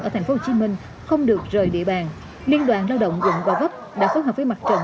ở tp hcm không được rời địa bàn liên đoàn lao động quận gò vấp đã phối hợp với mặt trận